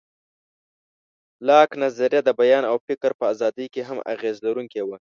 لاک نظریه د بیان او فکر په ازادۍ کې هم اغېز لرونکی و.